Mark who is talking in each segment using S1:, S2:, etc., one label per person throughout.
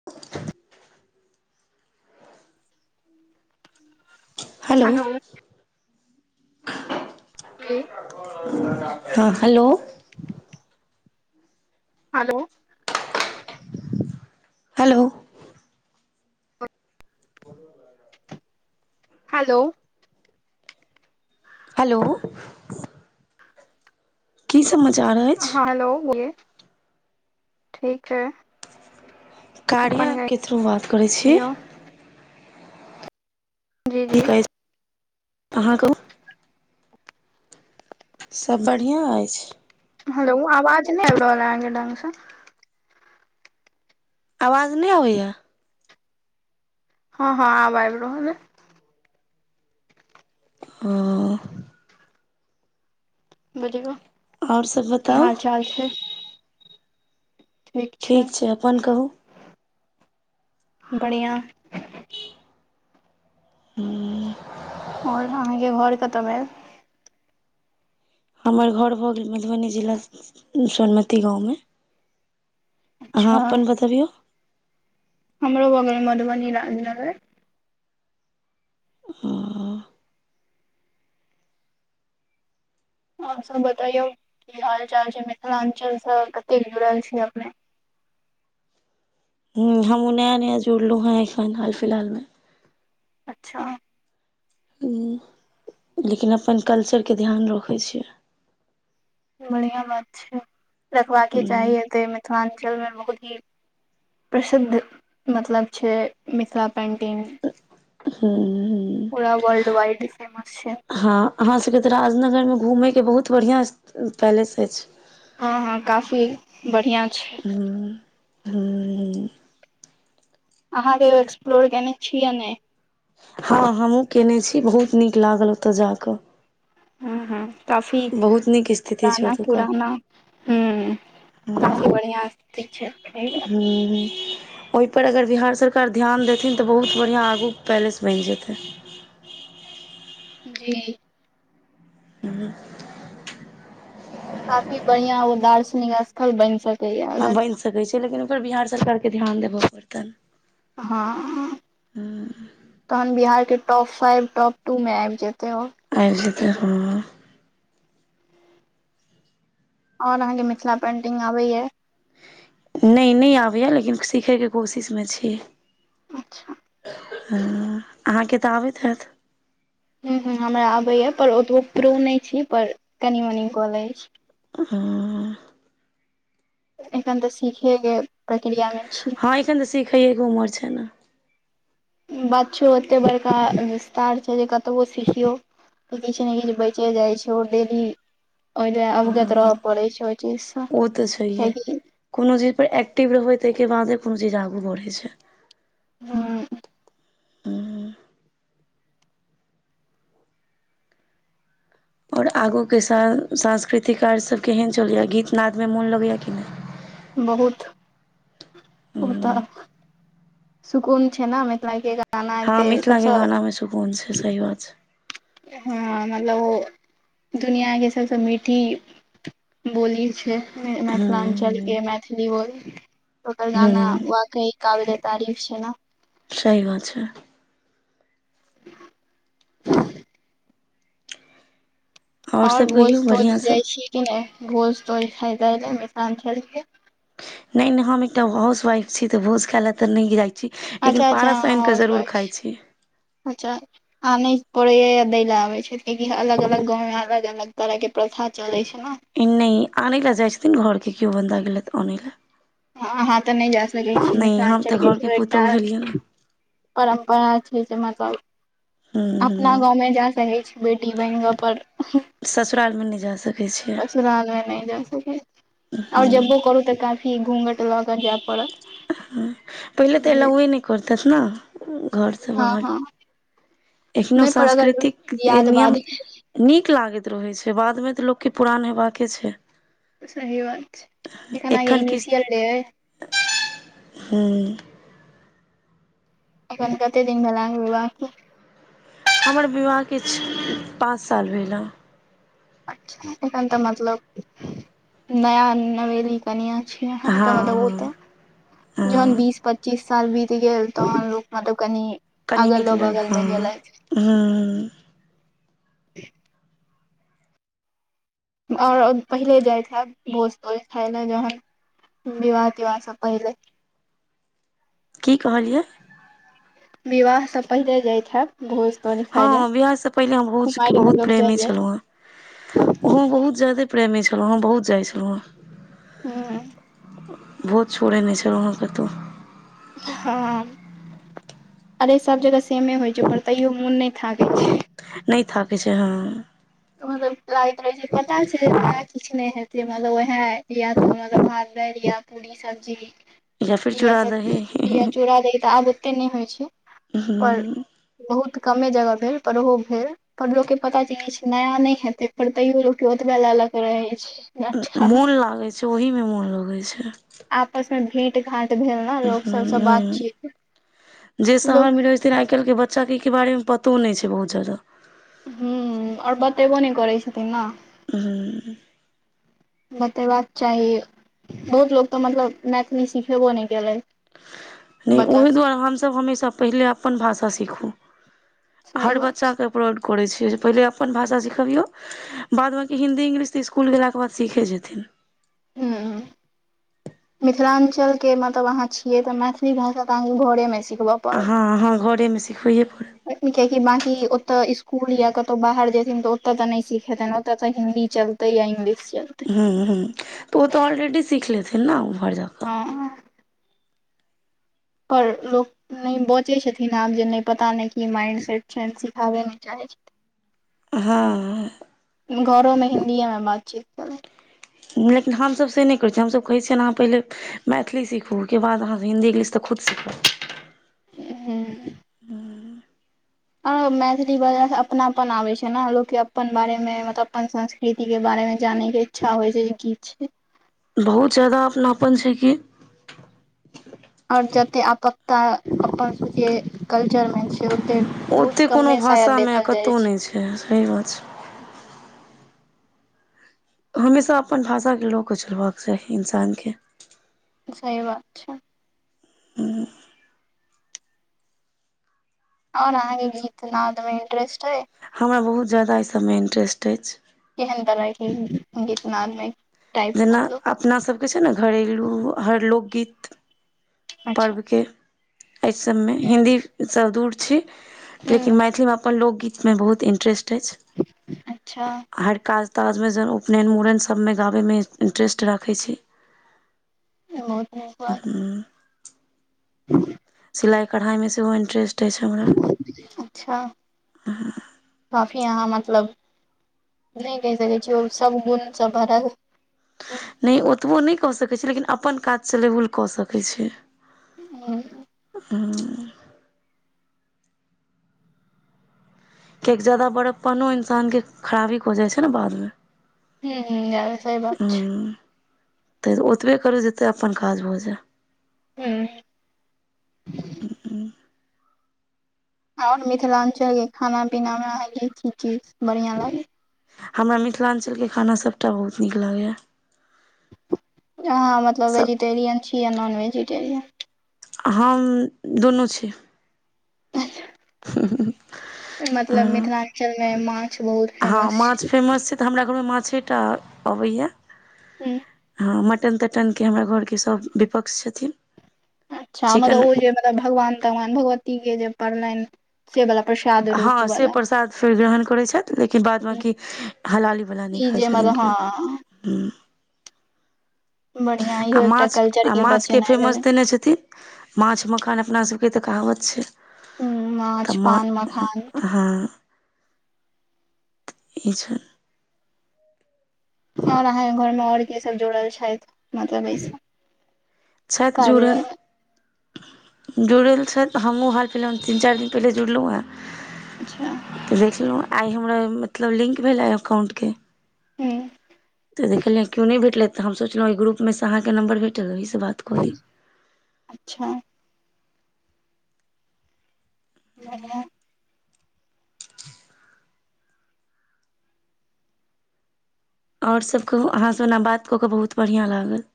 S1: [inaudible] [inaudible] Hello
S2: [inaudible]
S1: हँ hello
S2: hello
S1: hello
S2: hello
S1: hello की समाचार ऐय
S2: हँ हेलो बोलिए ठीक है
S1: कार्य के थ्रू बात करै छी
S2: जी जी
S1: अहाँके सब बढ़िआँ ऐछ
S2: हेलो आवाज ने एव रहल या ढ़गस
S1: आवाज नय अबैए
S2: हँ हँ आब आइब रहल ये
S1: अ
S2: बुझौ [unintelligible]
S1: ओर सब बताउ
S2: [inaudible] छै ठीक
S1: ठीक छै अपन कहू
S2: बढ़िआ
S1: [inaudible] हूँ
S2: ओर अहाँ के घर कत भेल
S1: हमर घर भऽ गेल मधुबनी जिला सोरमती गाँवमे अहाँ
S2: अच्छा
S1: अपन बताबियौ
S2: हमरो बगल म मधुबनी राजनगर
S1: [inaudible]
S2: ओर सब बतैयौ की हाल चाल छै मिथिलाञ्चलसँ कतेक जुड़ल छी अपने
S1: ह हम नया नया जुड़लु हैं एखन हाल फिलहाल में
S2: अच्छा
S1: उम लेकिन अपन कल्चरके ध्यान रखै छियै।
S2: बढ़ििया बात छै रखबाका के चाही
S1: हूँ
S2: ऐ तेमे मिथिलाञ्चलमे बहुत ही प्रसिद्ध मतलब छैय मिथिला। पेंटिंग
S1: हूँ हूँ
S2: पूरा वर्ल्ड वाइड फेमास छैय।
S1: हँ अहाँ सभके तऽ राजनगरमे घूमयके बहुत बढ़िआँ पैलेस अछि।
S2: हँ हँ काफी बढ़िआँ छैय।
S1: हूम हुम हू म
S2: अहाँ ओर एक्सप्लोर केने छी या नैय।
S1: हँ हम हूँ कयने छि बहुत नीक लागल ओत अ जा कऽ।
S2: ह ह काफी
S1: बहुत नीक स्थिति छै
S2: पुराना
S1: ओतुका
S2: पुराना हुम। सबसे बढ़िआँ अत्तते छैय।
S1: हुम हुम पर अगर बिहार सरकार ध्यान देथिन तऽ बहुत बढ़िआँ आगू पैलेस बइन जेतै।
S2: जी
S1: हुम
S2: काफी बढ़िया ओ दार्शनिक स्थल बन सकै
S1: बनि सकैत छैय लेकिन ओहिपर बिहार सरकारके ध्यान देवन पड़तैन
S2: हा आ तहन बिहार के टॉप फाइव टॉप टू मे आवै जेतै ओर।
S1: आब जैते ह।
S2: ओर अहाँकेँ मिथिला पेन्टिंग आबैया।
S1: नैय नैय आबैय लेकिन सीखैके कोशिशमे छिई।
S2: अच्छा
S1: ह अहाँके तऽ आबैत हैत '।
S2: ह ह हमरा आबैया पर ओतबो प्रो नैय छी पर कनी मनी कलैई छिइ
S1: हा आ
S2: एखन तऽ सीखेके प्रक्रियामे छिइ।
S1: हँ एखन तऽ सिखैएके उमर छैय नैय।
S2: बात छुएतेबड़का विस्तार छैय जे कतबो सिखियौ। किछु ने किछु बचे जाय छैय ओ डेली ओइला अवगत रहय पड़े छैय।
S1: ओ तऽ छैइहै कोनो चीज पर एक्टिव रहबै तैय के बादे कोनो चीज आगू बर हई छैय।
S2: हूम
S1: हुम आरआगूके सा सांस्कृतिक कार्यसभ केहन चलैए गीतनादमे मोन लगैएा कि नैय।
S2: बहुत ओता सुकून छै ने मिथिला के गा खाना
S1: हँ
S2: एतै
S1: मिथिला के
S2: सभसँ।
S1: गाना मे सुकून छै सही बात छै
S2: हँ मतलब ओ दुनिआके सभसँ मीठी। बोली छैय मिथिलाञ्चल
S1: हूँ
S2: के मैथिली बोली ओकर गाना
S1: हूँ
S2: वाकई। काल्हे तारीख छैय ना
S1: सही बात छैय। आओर
S2: और
S1: सब कहियौ
S2: भोज तोल
S1: बढ़िआँ सब
S2: जाय छी कि नैयभोज तौज खायल मिथिलांचल के।
S1: नैय नैय हम त एकटा हाउस वाइफ छी ते भोज खाइल ते न नहि जाय। छी लेकिन
S2: अच्छा अच्छा
S1: पारस
S2: अहाँ
S1: आनिकऽ
S2: हाउस
S1: जरूर
S2: वाइफ छी
S1: खाइ छिइ।
S2: अच्छा। आ नय पड़े य दै ल आबे छै कियाकि अलग अलग गाँव मे अलग अलग तरह के प्रथा चले छै ने
S1: नय आनै लए जाइ छथिन घरके केओ बन्दा गेलथि आनै लए
S2: अहाँ तऽ नय जा सकै छी
S1: नहि हम तऽ
S2: मिथिलाञ्चल
S1: घरके
S2: के
S1: पुतोहु भेलियै ने
S2: एकटा परम्परा छै जे मतलब
S1: हूँ
S2: अपना
S1: हूँ
S2: गाँवमे जा सकैत छी बेटी बहिनगऽ पर
S1: ससुरालमे नय जा सकै छियै
S2: ससुराल मे नय जा स ओर जबो करू तऽ काफी घूघट ल के जाय पड़त
S1: पहिल तऽ लओे नय करत न
S2: हँ हँ
S1: एखनो
S2: नहि पर अगर
S1: सांस्कृतिक
S2: बियाह के बाद
S1: नियम नीक लागैत रहैत छै बादमे तऽ लोकके पुरान हेबाके छै
S2: सही बात एखन आय इनिशियल डे एय
S1: [inaudible] हू
S2: एखन कते दिन भेल हन अहाँ के विवाह के
S1: हमर विवाह किछ पाँच साल भेल हन
S2: एखन तऽ मतलब नया नवेली तऽ ओत
S1: हँ हँ
S2: जन
S1: हँ
S2: बस प [inaudible] पच्चीस साल बीत गेल तहन लोक मतलब कनि
S1: कनि
S2: अगलो
S1: निकलल
S2: बगल
S1: हँ
S2: मे गेलथि
S1: हूँ
S2: ओर पहिले जाइत हइब भोज तोज खाइ लए जहन विवाह तिवाह स पहीले
S1: की कहलियै
S2: विवाह स पहिले जाइत हैब भोज तोज खाय लए
S1: हँ बिआह से पहिले हम भोज के
S2: कुमारि मे
S1: बहुत
S2: लोग
S1: प्रेमी
S2: जाइये
S1: छलो हेँ ओहु बहुत ज्यादे प्रेमी छलहुँ हेँ बहुत जाइत छलहुँ हेँ
S2: हूँ
S1: भोज छोड़ै नय छलो कतो
S2: हँ अरे सभ जगह सेमे होइ छै ओकर तैयो मोन नय थाकै छै
S1: नय थाकै छै हँ
S2: मतलब लागैत रहे छै पता छै किछु नय हेते मतलब वह यतल [inaudible] [inaudible] रिया पुरी सब्जी
S1: या फिर
S2: इह
S1: चूड़ा
S2: सब
S1: दही
S2: चूड़ द तऽ आब त नइ होइ छै पर बहुत कमे जगह भेल पर ओ भेल पर लोकोग के पता चल छै नया नय हेतै पर तैयो लोक ओतबे ल ल के रहै छै अच्छा
S1: मोन लागै छै ओहिमे मोन लगै छै
S2: आपस मे भेट घाट भेल ने लोक सबसँ बातचीत लोक
S1: तैं कल्के [inaudible] शादी के बारेमे पतो नय छै बहुत जादा
S2: हूँ ओर बतेबो नय करै छथिन ना
S1: हूँ
S2: बतबाक चाही बहुत लोको तऽ मतलब मैथिली सिखेबो नय केलै
S1: नय
S2: बच्चा
S1: ओह
S2: सब
S1: दुआरे हमसभ हमेशा पहिले अपन भाषा सीखू
S2: सही
S1: हर
S2: बात
S1: बच्चाकेँ अपलाउड करै छियै जे पहिले अपन भाषा सिखबियौ बाद बाकी हिन्दी इंग्लिश तऽ स्कुल गेलाके बाद सीखे जेथिन
S2: छै हूं
S1: [unintelligible]
S2: मिथिलाञ्चलके मतलब अहाँ छियै तऽ मैथिली भाषा तऽ अहाँके घरेमे सिखबक
S1: हाँ हाँ घरेमे सिखबैए पड़त
S2: अखन कियाकि बाकी ओतय स्कूल या कतौ बाहर जेथिन तऽ ओते त नै सिखेतैन ओत त हिंन्दी चल तै या इंग्लिश चलतै।
S1: हूं-हूं त ओ त ऑलरेडी सीख लेथिन नै उम्हर ज
S2: हां। पर लोक नै बजै छथिन आब जे नै पता नै की माइंड सेट छनि सिखाबय नै चाहै छथिन।
S1: हां।
S2: घरो में हिन्दीये में बातचीत करू
S1: लेकिन हम सब से नै करै छियै, हम सब कहै छियैन अहाँ पहिले मैथिली सीखू ओय के बाद अहाँ हिन्दी-इंग्लिश तै खुद सीख
S2: हूं।
S1: हूँ।
S2: ओ मैथिली बाजनै से अपनापन आबै छै न लोक के अप्पन बारे में मतलब अपन संस् कृति के बारे मे जाने के इच्छा होय छै जे की छीयै।
S1: बहुत ज्यादा अपनापन छै कि।
S2: आओर जत्ते आपकता अपन सबके कल्चर मे छै ओतेक
S1: ओते कोनो भाषा में कतो नै छै सही बात छै। हमेशा अपन भाषा के ल के चलबाक चाही इन्सान के।
S2: सही बात छै।
S1: हुं।
S2: आओर अहां के गीत नाद मे इंटरेस्ट ए?
S1: हमरा बहुत ज्यादा ए सब में इंटरेस्ट अछि
S2: केहन तरह के उगीत-नाद में
S1: जेना अपना सबके छै न घरेलू हर लोकगीत
S2: अच्छा
S1: पर्व के ए सब में हिन्दी स दूर छी
S2: हूँ
S1: लेकिन मैथिली में अपन लोकगीत में बहुत इन्टरेस्ट अछि
S2: अच्छा
S1: छ, हर काज प काज में जब उपनैन, मूड़न सबमें गाबैमे इन्टरेस्ट राखै छै
S2: बहोत निक बात। [unintelligible]
S1: सिलाई-कढ़ाए में सेहो इंटरेस्ट अछि छ हमरा।
S2: अच्छा काफी अहाँ मतलब नै कह सकै छी ओ सब गुण स भरल
S1: नै ओतबो नै कह सकै छी लेकिन अपन काज चलेबुल क सकै छै
S2: ओ।
S1: हम्म। कियाकि ज्यादा बड़कपनो इंसान के खराबी क जाए छै न बाद में।
S2: हुं यै सही बात छै।
S1: तै ओतबे करू जेतबै अपन काज भ जाय त
S2: हूं। आओर मिथिलांचल के खाना-पीना में अहाँ के की की बढ़िया लागय
S1: हमरा मिथिलांचल के खाना सबटा बहुत नीक लागै यै।
S2: अहाँ मतलब
S1: सभ
S2: वेजिटेरियन छी या नॉन वेजिटेरियन?
S1: हम दुनू छै
S2: मतलब मिथिलांचल मे माछ बहुत
S1: हां
S2: फेमस
S1: माछ
S2: छै
S1: फेमस छै तै हमरा घर मे माछेटा अबै या
S2: हूँ।
S1: हँ मटन तटन के हमरा घरके सब विपक्ष छथिन
S2: अच्छा मतलब
S1: चिकन
S2: ओ जे मतलब भगवान तगवान भगवती के जे पड़लनि से बला प्रसाद रूप
S1: हां से
S2: वाला
S1: प्रसाद फेर जहण करै छैथ लेकिन बाद बाकी हलालीवला नै
S2: ई
S1: खाइ
S2: जे
S1: छथिन
S2: मतलब
S1: कियो
S2: हँ
S1: हुं।
S2: बढ़िया इहो
S1: आ
S2: एकटा
S1: माछ,
S2: कल्चर
S1: आ माछ के
S2: बचेनाइ भेलै
S1: फेमस देने छथिन। माछ मखान अपना सबके तऽ कहाबत छै
S2: उ माछ पान मखान
S1: हाँ ई छन
S2: आओर अहाँके घरमे आओर के सब जुड़ल छथि मतलब ऐस
S1: छथित जुड़ल जुड़ल छैत हमहूँ हाल फिहलहाल तीन चारि दिन पहिले जुड़लौं हेँ
S2: अच्छा
S1: तऽ देखलौं आइ हमरा मतलब लिंक भेला अकाउंटके
S2: हूँ
S1: तऽ देखलियै किओ नै भेटल तऽ हम सोचलौं ग्रुप मे सँ अहाँके नंबर भेटल ओहिसँ बात कऽ ली
S2: अच्छा ह [unintelligible]
S1: आओर सब कहू अहाँसँ ओना बात कऽ कऽ बहुत बढ़िआँ लागल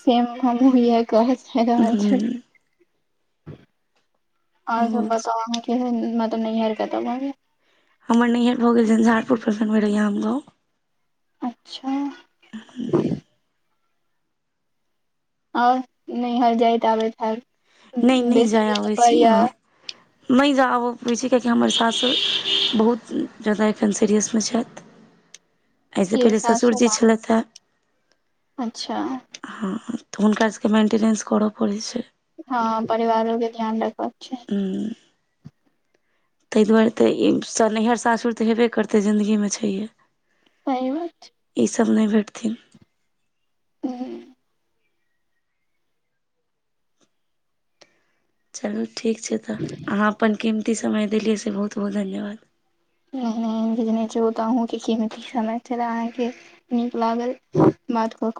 S2: सेमू हमहूँ ईहए कहचाह रहल छल आहाँ के
S1: हुँ
S2: बताव [unintelligible]
S1: हमर नहर भ गेल झंझारपुर [unintelligible]
S2: अचछा
S1: आखलत [unintelligible]
S2: आओर नैहर जाय आबैत फैल
S1: नै नै जाय अबै छी अहाँ नै जाय आबय छी कियाकि हमर सासुर बहुत जाय्दा एखन सीरियसमे छथि एहिसँ
S2: के
S1: पहिले
S2: सासू
S1: ससुरजी
S2: माँ
S1: छलथि हेँ
S2: अच्छा
S1: हँ तऽ हुनका सबके मेन्टिनेन्स करऽ पड़ै छै
S2: हँ परिवारो के ध्यान रखबाक छै
S1: हूँ ताहि दुआरे तऽ ईस नैहर सासुर तऽ हेबे करतै जिन्दगीमे छैहे
S2: सही बत
S1: ईसब नै भेटथिन
S2: हूँ
S1: चलू ठीक छै तऽ अहाँ अपन कीमती समय देलियै से बहुत बहुत धन्यवाद
S2: [unintelligible] कीमती समय चला अहाँके नीक लागल बात क क